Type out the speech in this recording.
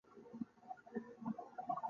کبان له اوبو نه جلا کېږي.